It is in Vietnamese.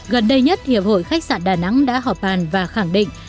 gần đây nhất hiệp hội khách sạn đà nẵng đã họp bàn và khẳng định